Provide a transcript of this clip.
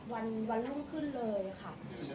วันรุ่งขึ้นเลยค่ะ